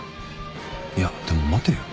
いやでも待てよ